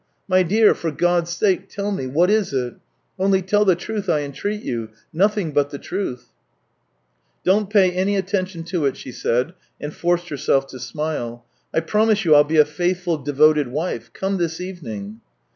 " My dear, for God's sake, tell me — what is it ? Only tell the truth, I entreat you — nothing but the truth !"" Don't pay any attention to it," she said, and forced herself to smile. " I promise you I'll be a faithful, devoted wife. ... Come this evening."